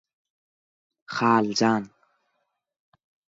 - Haljan!